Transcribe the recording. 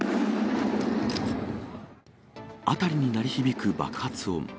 辺りに鳴り響く爆発音。